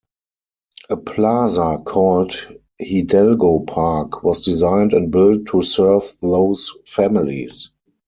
A plaza called Hidalgo Park was designed and built to serve those families.